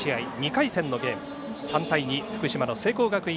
２回戦のゲーム、３対２福島の聖光学院